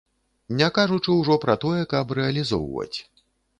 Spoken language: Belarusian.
Не кажучы ўжо пра тое, каб рэалізоўваць.